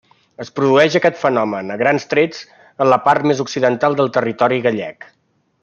Es produeix aquest fenomen, a grans trets, en la part més occidental del territori gallec.